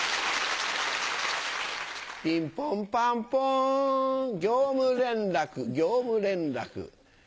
ピンポンパンポン業務連絡業務連絡。